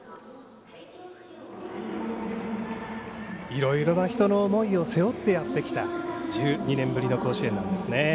いろいろな人の思いを背負ってやってきた１２年ぶりの甲子園なんですね。